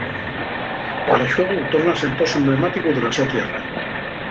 Cada xuegu tórnase entós emblemáticu de la so tierra.